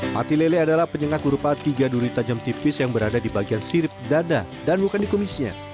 mati lele adalah penyengat berupa tiga duri tajam tipis yang berada di bagian sirip dada dan bukan di kumisnya